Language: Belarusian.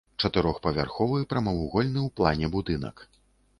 Чатырохпавярховы, прамавугольны ў плане будынак.